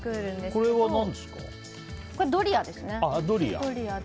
これ、ドリアですね。